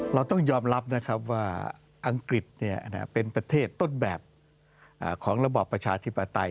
เราต้องยอมรับนะครับว่าอังกฤษเป็นประเทศต้นแบบของระบอบประชาธิปไตย